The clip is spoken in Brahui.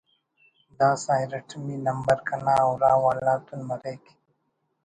داسہ ارٹمی نمبر کنا اُرا والاتون مریک